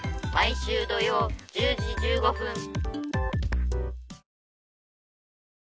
毎週土曜１０時１５分